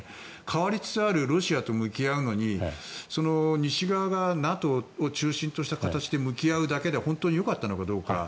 変わりつつあるロシアと向き合うのに西側がＮＡＴＯを中心とした形で向き合うだけで本当によかったのかどうか。